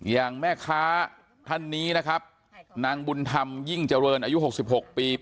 อย่างแม่ค้าท่านนี้นะครับนางบุญธรรมยิ่งเจริญอายุ๖๖ปี